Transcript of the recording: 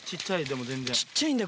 小っちゃいんだ！